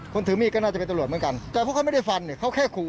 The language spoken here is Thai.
ถือมีดก็น่าจะเป็นตำรวจเหมือนกันแต่พวกเขาไม่ได้ฟันเนี่ยเขาแค่ขู่